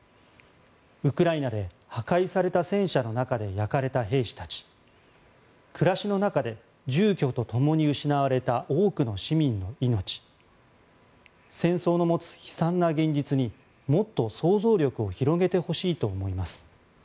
ウクライナで破壊された戦車の中で焼かれた兵士たち暮らしの中で住居とともに失われた多くの市民の命戦争の持つ悲惨な現実にもっと想像力を広げてほしいと思います。